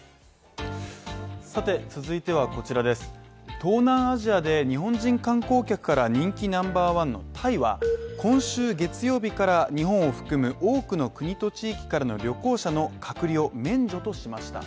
東南アジアで日本人観光客から人気ナンバーワンのタイは、今週月曜日から日本を含む多くの国と地域からの旅行者の隔離を免除としました。